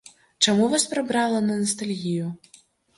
Чаму вас прабрала на настальгію?